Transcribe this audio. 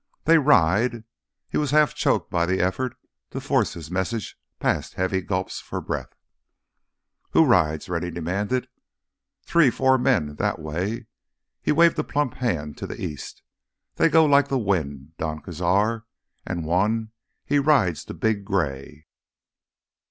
"They ride." He was half choked by the effort to force his message past heavy gulps for breath. "Who rides?" Rennie demanded. "Three—four men ... that way." He waved a plump hand to the east. "They go like the wind, Don Cazar. And one—he rides the big gray!"